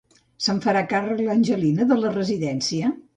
Se'n farà càrrec l'Angelina de la residència?